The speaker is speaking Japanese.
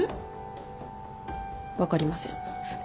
分かりません。